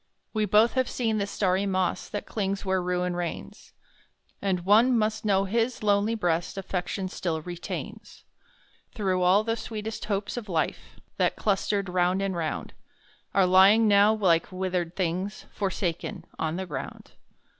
We both have seen the starry moss That clings where Ruin reigns, And one must know his lonely breast Affection still retains; Through all the sweetest hopes of life, That clustered round and round, Are lying now, like withered things, Forsaken on the ground.